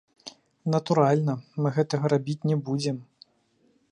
Натуральна, мы гэтага рабіць не будзем.